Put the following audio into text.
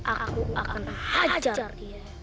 aku akan hajar dia